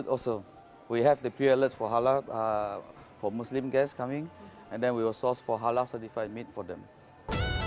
kita memiliki aliran pre alert untuk penumpang muslim yang datang dan kemudian kita akan mencari makanan yang disertifikasi halal untuk mereka